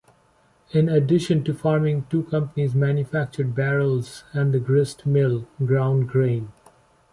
In addition to farming, two companies manufactured barrels and a grist mill ground grain.